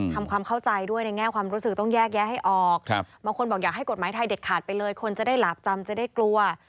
ทำความเข้าใจด้วยในแง่ความรู้สึกต้องแยกแยะให้ออกบางคนบอกอยากให้กฎหมายไทยเด็ดขาดไปเลยคนจะได้หลาบจำจะได้กลัว